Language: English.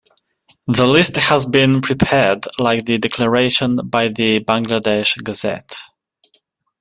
The list has been prepared like the declaration by the Bangladesh Gazette.